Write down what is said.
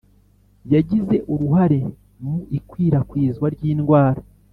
yagize uruhare mu ikwirakwizwa ry indwara